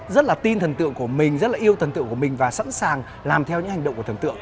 rất là tin thần tượng của mình rất là yêu thần tượng của mình và sẵn sàng làm theo những hành động của thần tượng